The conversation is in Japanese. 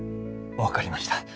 わかりました。